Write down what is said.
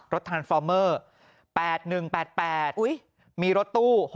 ทันฟอร์เมอร์๘๑๘๘มีรถตู้